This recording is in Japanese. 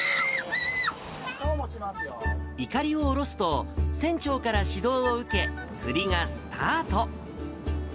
いかりを降ろすと、船長から指導を受け、釣りがスタート。